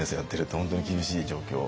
本当に厳しい状況